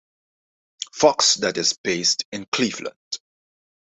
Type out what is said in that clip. Fox that is based in Cleveland.